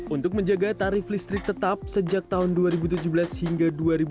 untuk menjaga tarif listrik tetap sejak tahun dua ribu tujuh belas hingga dua ribu dua puluh